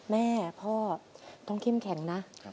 แม่พ่อต้องเข้มแข็งนะ